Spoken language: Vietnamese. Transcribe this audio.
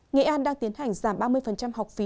nghệ an đang tiến hành giảm ba mươi học phí